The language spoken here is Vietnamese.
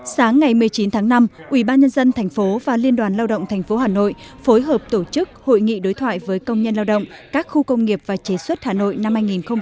sáng ngày một mươi chín tháng năm ubnd tp và liên đoàn lao động tp hà nội phối hợp tổ chức hội nghị đối thoại với công nhân lao động các khu công nghiệp và chế xuất hà nội năm hai nghìn hai mươi